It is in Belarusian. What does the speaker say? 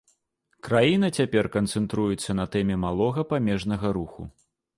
Краіна цяпер канцэнтруецца на тэме малога памежнага руху.